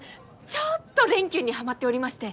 ちょっと蓮きゅんにハマっておりまして。